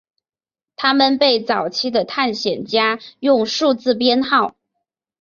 他们被早期的探险家用数字编号。